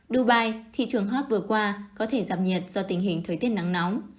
dubai thị trường hot vừa qua có thể giảm nhiệt do tình hình thời tiết nắng nóng